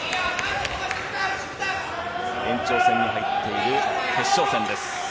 延長戦に入っている決勝戦です。